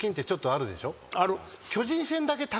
ある。